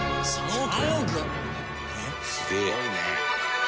すごいね。